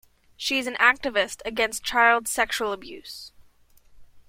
She is an activist against child sexual abuse.